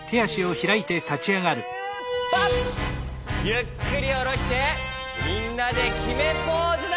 ゆっくりおろしてみんなできめポーズだ！